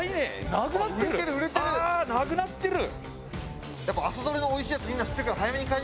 なくなってる！